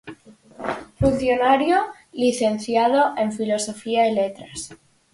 Funcionario licenciado en Filosofía e Letras.